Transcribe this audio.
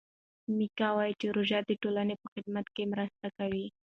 میکا وايي چې روژه د ټولنې په خدمت کې مرسته کوي.